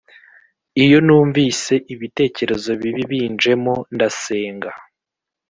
Iyo numvise ibitekerezo bibi binjemo ndasenga